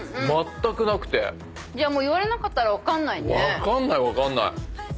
分かんない分かんない。